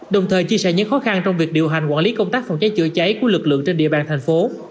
đồng thời chia sẻ những khó khăn trong việc điều hành quản lý công tác phòng cháy chữa cháy của lực lượng trên địa bàn thành phố